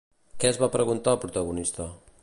Què es va preguntar el protagonista?